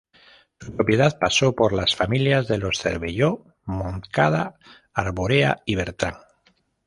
Su propiedad pasó por las familias de los Cervelló, Montcada, Arborea y Bertrán.